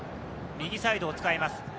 右サイドを使います。